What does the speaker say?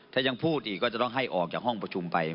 ถ้ายังพูดอีกก็จะต้องให้ออกจากห้องประชุมไป